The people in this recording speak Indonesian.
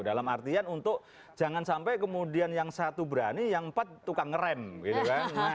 dalam artian untuk jangan sampai kemudian yang satu berani yang empat tukang ngerem gitu kan